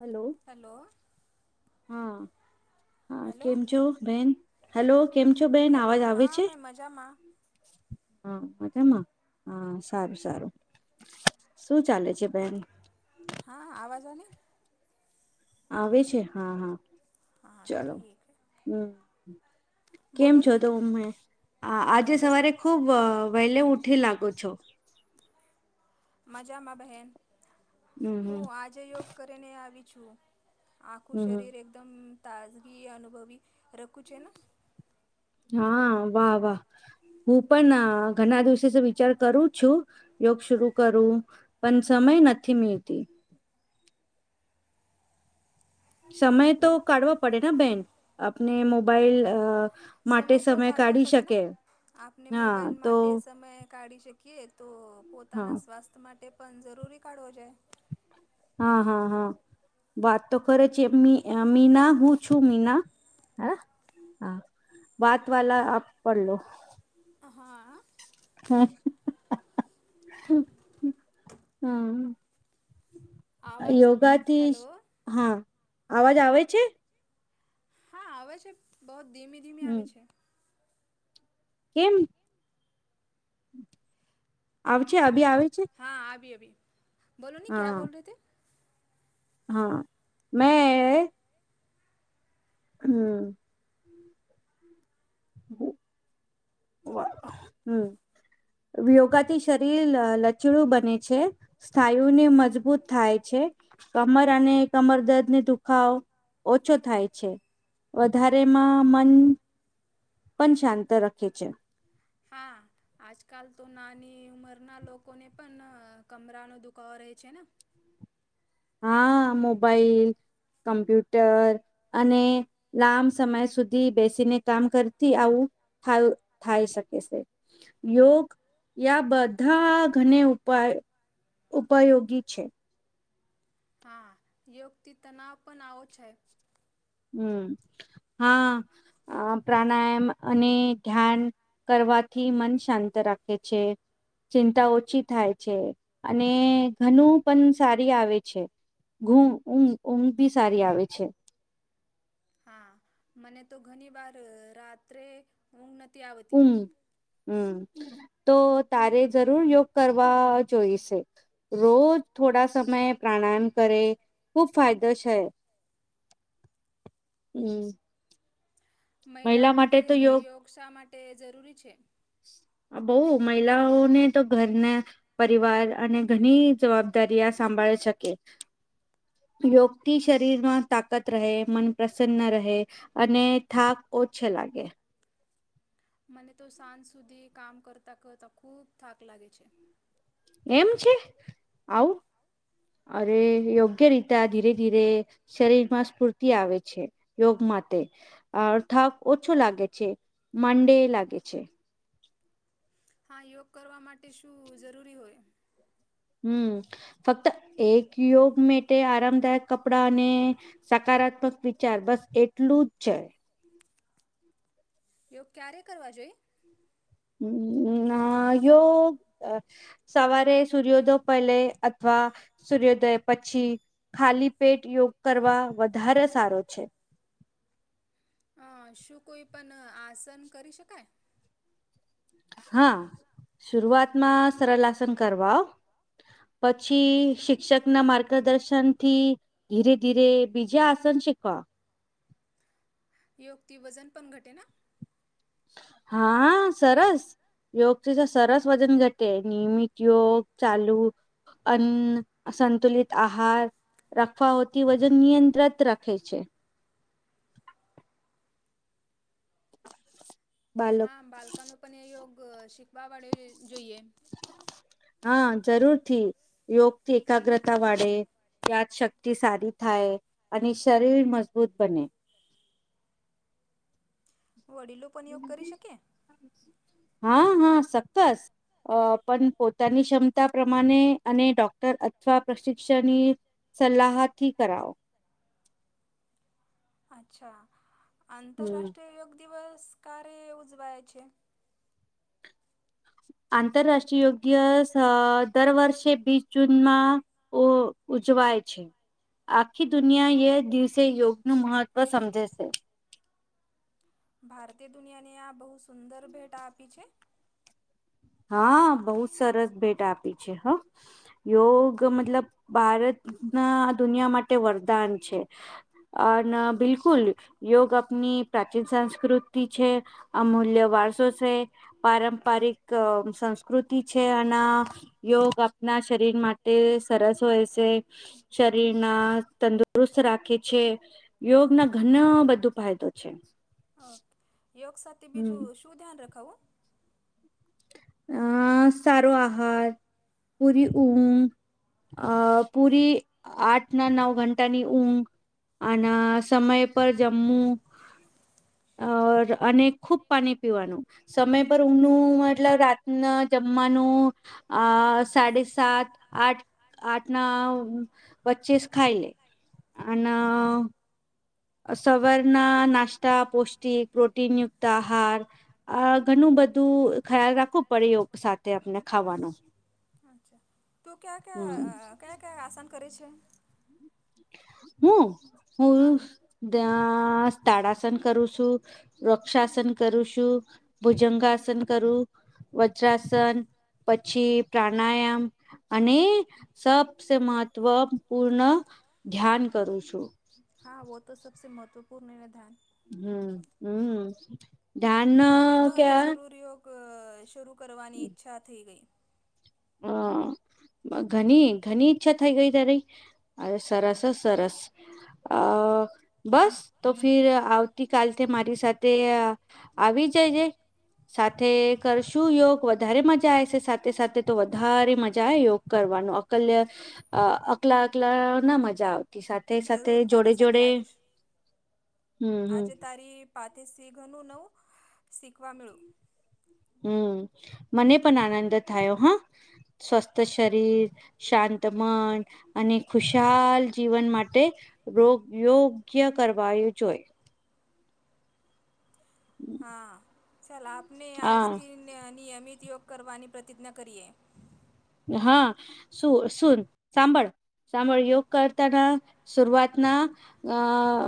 Hello hello હા. હા hello કેમ છો બેન હેલો કેમ છો બેન હેલો આવાજ આવે. હા છે મે મજામાં. હા મજામાં હા સારું સારું. શું ચાલે છે બહેન? હા આવાજ આને. આવે છે હા હા હા ચલો ઠીક હે હમમ. કેમ બોલો છો ની તોમે આજે મેં બસ સવારે ખુબ વહેલે ઉઠી લાગો છો. મજામાં બહેન હમ હમ હું આજે યોગ કરીને આવી છું. આખું હમ શરીર હમ એકદમ તાજગી અનુભવી રખું છે ને હા વાહ વાહ. હું પણ ઘણા દિવસ થી વિચાર કરું છું યોગ સુરુ કરું. પણ સમય નથી મીળતી. સમય તો કાઢવા પડે ને બેન આપને મોબાઈલ અ માટે સમય તો કાઢવા કાઢી પડે ને શકે આપને હા મોબાઈલ તો માટે સમય કાઢી શકીએ કે તો હા પોતાના સ્વાસ્થ્ય માટે પણ જરૂરી કાઢવો જોઈએ. હા હા હા. વાત તો કરે છે. મીના હું છું મીના હે હા વાત વાલા આપ પડલો. હા. [unintelligible] હમમ. આવાજ યોગાથી હેલો હા અવાજ આવે છે. હા આવે છે બહોત ધીમે ધીમે હમ આવે છે. કેમ આવે છે અભી આવે છે. હા આવે અભી બોલો ને કયા હા બોલ રહે થે. હા મેં હમમ. [unintelligible] હમમ યોગાથી શરીર લચીલુ બને છે. સ્થાયુને મજબૂત થાય છે. કમર અને કમર દર્દને દુખાવ ઓછો થાય છે વધારેમાં મન પણ શાંત રાખે છે. હા. આજકાલ તો નાની ઉંમરના લોકોને પણ કમરાનો દુખાવો રહે છે ને હા મોબાઈલ, કમ્પ્યુટર અને લાંબ સમય સુધી બેસીને કામ કરતી આવું ફાય ફાવી શકે છે. યોગ યા બધા ઘની ઉપાય ઉપયોગી છે. હા યોગ થી તનાવ પણ આવ છે. હમમ હા પ્રાણાયામ અને ધ્યાન કરવાથી મન શાંત રાખે છે. ચિંતા ઓછી થાય છે અને ઘનું પણ સારી આવે છે. ઘૂં ઊંઘ, ઊંઘ બી સારી આવે છે. હા મને તો ઘણી વાર રાત્રે ઊંઘ નથી આવતી. હમમ તો તારે જરૂર યોગ કરવા જોઈશે. રોજ થોડા સમય પ્રાણાયામ કરે ખુબ ફાયદો છે. હમ. મહિલાઓ માટે યોગ શા માટે જરૂરી છે. બઉ મહિલાઓને તો ઘરના. પરિવાર અને ઘણી જવાબદારી આ સાંભાળી શકે. યોગથી શરીરમાં તાકાત રહે મન પ્રસન્ન રહે. અને થાક ઓછે લાગે. મને તો સાંજ સુધી કામ કરતાં કરતાં ખૂબ થાક લાગે છે. એમ છે આવું અરે યોગ. યોગ્ય રીત ધીરે ધીરે શરીર માં સ્ફૂર્તિ આવે છે યોગ માટે. અ થાક ઓછું લાગે છે માનડે લાગે છે. હા યોગ કરવા માટે શું જરૂરી હોય. હમ ફક્ત એક યોગ માટે આરામદાયક કપડાને. સકારાત્મક વિચાર બસ એટલું જ છે. યોગ ક્યારે કરવા જોઈએ. હ યોગ. સવારે સૂર્યોદય પહેલે અથવા સૂર્યોદય પછી. ખાલી પેટ યોગ કરવા વધારે સારો છે. હ શું કોઈ પણ આસન કરી શકાય. હા શરૂઆતમાં સરળ આસન કરવા. પછી શિક્ષક ના માર્ગદર્શનથી. ધીરે ધીરે બીજા આસન શીખવા. યોગ થી વજન પણ ઘટે ના. હા સરસ. યોગથી સરસ વજન ઘટે નિયમિત યોગ ચાલુ. અન્ન સંતુલિત આહાર. રાખવા હોતી વજન નિયંત્રિત રાખે છે. બાળકો હા બાળકાનો પણ એ યોગ શીખવા વાડે જોઈએ. હા જરૂર થી યોગથી. એકાગ્રતા વાળે યાદ શક્તિ સારી થાય અને શરીર મજબૂત બને. વડીલો પણ યોગ કરી શકે. હા હા ચોક્કસ. અ પણ પોતાની ક્ષમતા પ્રમાણે અને ડોક્ટર અથવા પ્રશિક્ષણ. સલાહથી કરાવો. અચ્છા હમ આંતરરાષ્ટ્રીય યોગ દિવસ કારે ઉજવાય છે. આંતરરાષ્ટ્રીય યોગ દિવસ દર વર્ષે બીસ જૂનમાં. ઓ ઉજવાય છે. આખી દુનિયા એ દિવસે યોગ નું મહત્વ સમજે છે. ભારતે દુનિયાને આ બહુ સુંદર ભેટ આપી છે. હા બહુ સરસ ભેટ આપી છે હ. યોગ મતલબ ભારત ના દુનિયા માટે વરદાન છે. અને બિલકુલ યોગ આપની પ્રાચીન સંસ્કૃતિ છે. અમૂલ્ય વારસો છે પારંપરિક સંસ્કૃતિ છે અનેના. યોગ આપણા શરીર માટે સરસ હોય છે. શરીર ના તંદુરસ્ત રાખે છે. યોગ ના ઘણા બધું ફાયદો છે. ઓકે યોગ સાથે હમ બીજું શું ધ્યાન રખાવું. અ સારો આહાર પૂરી ઊઘ. અ પૂરી આઠ ના નવ ઘંટાની ઊંઘ. અને સમય પર જમ્મુ. અ અને ખુબ પાણી પીવાનું સમય પર ઊંઘ નું મતલબ રા. ન જમવાનું આ સાડે સાત આઠ આઠ ના વચ્ચે જ ખાઈ લે અના સવાર ના નાસ્તા પૌષ્ટિક પ્રોટીનયુક્ત આહાર આ ઘણું બધું ખ્યાલ રાખો પડે યોગ સાથે આપને ખાવાનો અચ્છા તું ક્યા ક્યા હમ અ કયા કયા આસન કરે છે. હું હું હા. ત્યાં તાળાસન કરું છું. વૃક્ષાસન કરું છું ભુજંગાસન કરું વૃજ્રાસન પછી પ્રાણાયામ અને સબસે મહત્વ પૂર્ણ ધ્યાન કરું છું. હા વો તો સબસે મહત્વપૂર્ણ નિર્ણય થા. હમ હમ. ધ્યાન મને તો હવે ક્યા જરૂરી યોગ શરૂ કરવાની ઈચ્છા થઈ ગઈ. હા. ઘણી ઘણી ઈચ્છા થઈ ગઈ તારી અરે સરસ અ સરસ અ બસ તો ફિર આવતીકાલથી મારી સાથે આવી જાયજે સાથે કરશું યોગ વધારે મજા આવેશે સાથે સાથે તો વધારે મજા આવે યોગ કરવાનું અકલ્ય અ અકલા અકલા ના મજા આવે. જરૂર તારી સાથે આવીશ હમ હમ આજે તારી પાથે સીઘનું નવ શીખવા મેળ્યું. હમ મને પણ આનંદ થયો હા સ્વસ્થ શરીર શાંતમન અને ખુશાલ જીવન માટે રો યોગ્ય કરવાયું જોઈ. હા ચાલ આપને હા આજથી નિય નિયમિત યોગ કરવાની પ્રતિજ્ઞા કરીએ. હા સુું સુન સાંભળ સાંભળ યોગ કરતા ઠા શુરુઆત ના અ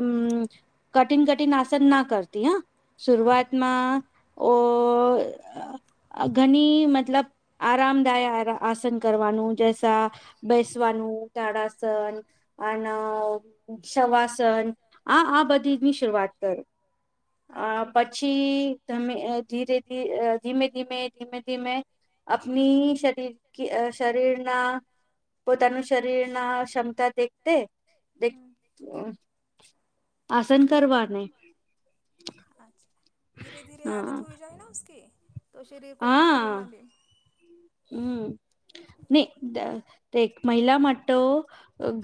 અમ કઠિન કઠિન આસન ના કરતી હા હા શરૂઆતમાં. ઓ અ ઘણી મતલબ આરામદાયક આરમ આ આસન કરવાનું જેસા ભેસવાનું તાળાસન અને શવાસન આ આ બધીની શરૂઆત કરું. અ અચ્છા. પછી તમે અ ધીરે ધી ધીમે ધીમે ધીમે ધીમે અપની શરીરકી શરીરના પોતાનું શરીર ના ક્ષમતા દેખતે દે. હમ આસન કરવાને. અચ્છા ધીરે ધીરે આદત હા હોય જાય ન ઉસકી તો શરીર કો હા શરીરમાં બી. હમ નહી અ દેખ મહિલા માટો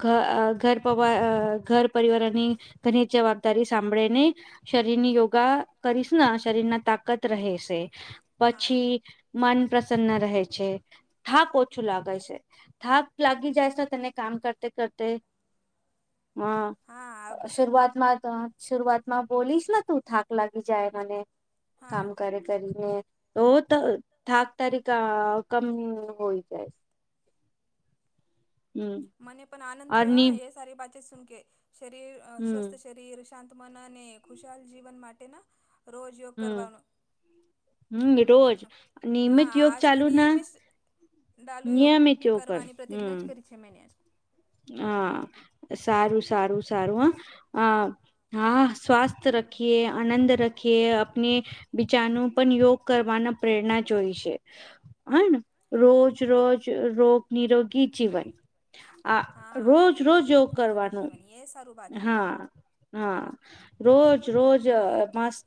ઘ ઘર પવાર ઘર પરિવારની ઘનિત જવાબદારી સાંભળેને. શરીર ની યોગા કરીશ ના શરીર ના તાકત રહેશે હા પછી મન પ્રસન્ન રહેે છે. થાક ઓછું લાગે છે થાક લાગી જાય છે તને કામ કરતે કરતે હા હા શરૂઆતમાં તો. શરૂઆત માં બોલીશ ને તું થાક લાગી જાય મને હા કામ કરે કરીને તો તો થાક તારીખ અ કમ હોઈ જાય છે. હમ મને પણ આનંદ થયો અની હ એ સારી બાતે સુનકે શરીર અ હમ સ્વસ્થ શરીર શાંતમના અને ખુશાલ જીવન માટેના રોજ યોગ હમ કરવાનો હમ રોજ નિયમિત હા યોગ ચાલુ આજથી ના નિયમિશ ડાલુયોગ નિયમિત યોગ કર કરવાની પ્રતિજ્ઞા જ કરી છે મેને આજ હ સારું સારું સારું હા હ. હા સ્વસ્થ રખીએ આનંદ રખીએ અપને બીચાનું પણ યોગ કરવાના પ્રેરણા જોઈ છે. હને રોજ રોજ રોગ નિરોગી જીવન આ રોજ હા રોજ યોગ નિરોગી કરવાનું જીવન એ સારું બાત હે હા હા રોજ રોજ મસ્ત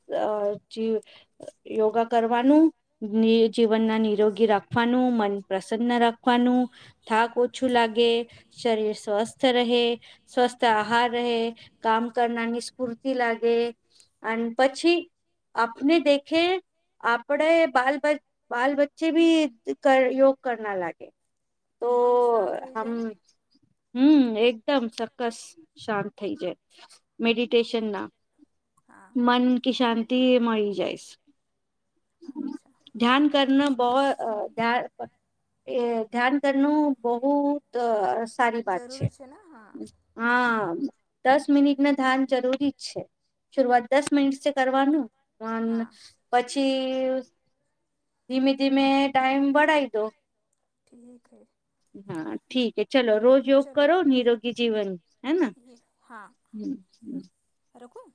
જી યોગા કરવાનું નીજીવન ના નિરોગી રાખવાનું મન પ્રસન્ન રા ખવાનું થાક ઓછું લાગે શરીર સ્વસ્થ રહે સ્વસ્થ આહાર રહે કામ કરનાની સ્ફૂર્તિ લ લાગે અને પછી આપને દેખે આપડે બાલ બાલ બચ્ચે બી યોગ કરના લાગે તો મન શાંત રહી હમ જાય ને હમ એકદમ ચોક્કસ શાંત થઇ જાય મેડિટેશન ના હા મન કી શાંતિ મળી જાયસ અચ્છા કરન બવ જા એ ધ્યાન કરનું બહુંતસ જરૂરી છે ને હા હા દસ મિનિટ ના ધ્યાન જરૂરી જ છે શરૂઆત દસ મિનિટસે કરવાનું હા [unintelligible] પછી ધીમે ધીમે ટાઈમ બઢાઈ દો ઠીક હે હા ઠીકે ચલો રોજ યોગ ચલો કરો નિરોગી જીવન હેને હ હ રકું